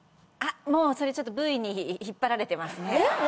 あっもうそれちょっとＶに引っ張られてますねえっ？